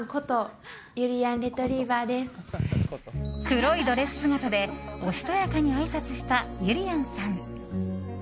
黒いドレス姿でおしとやかにあいさつしたゆりやんさん。